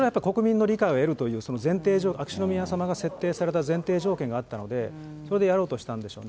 それはやっぱり国民の理解を得るという、その前提条件、秋篠宮さまが設定された前提条件があったので、それでやろうとしたんでしょうね。